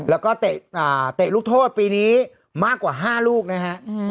แล้วก็เตะลูกโทษปีนี้มากกว่า๕ลูกนะฮะ